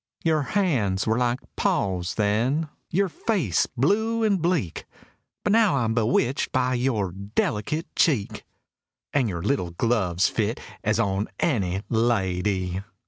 —"Your hands were like paws then, your face blue and bleak, But now I'm bewitched by your delicate cheek, And your little gloves fit as on any la dy!"